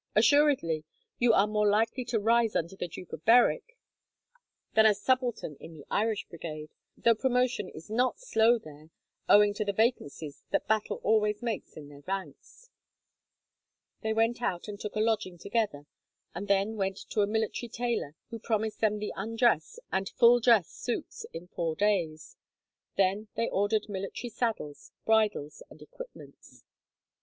Assuredly, you are more likely to rise under the Duke of Berwick than as subaltern in the Irish Brigade, though promotion is not slow there, owing to the vacancies that battle always makes in their ranks." They went out and took a lodging together, and then went to a military tailor, who promised them their undress and full dress suits in four days. Then they ordered military saddles, bridles, and equipments.